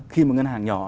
khi mà ngân hàng nhỏ